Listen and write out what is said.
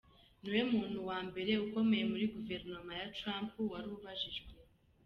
Ni we muntu wa mbere ukomeye muri Guverinoma ya Trump wari ubajijwe.